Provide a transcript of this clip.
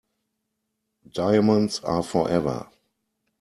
Diamonds are forever.